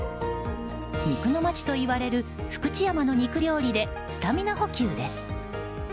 肉の街といわれる福知山の肉料理でスタミナ補給です。